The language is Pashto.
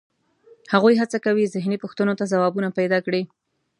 هغوی هڅه کوي ذهني پوښتنو ته ځوابونه پیدا کړي.